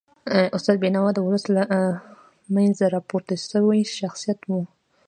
استاد بینوا د ولس له منځه راپورته سوی شخصیت و.